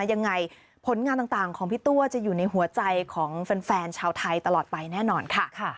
ยังไงผลงานต่างของพี่ตัวจะอยู่ในหัวใจของแฟนชาวไทยตลอดไปแน่นอนค่ะ